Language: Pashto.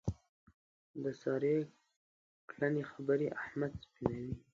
د سارې کړنې خبرې احمد سپینوي.